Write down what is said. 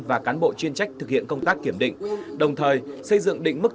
và cán bộ chuyên trách thực hiện công tác kiểm định đồng thời xây dựng định mức